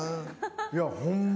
いやホンマ